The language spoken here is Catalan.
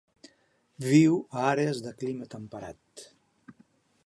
Viu a àrees de clima temperat.